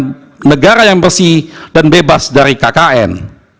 penyelenggaraan yang bersih dan bebas dari kkn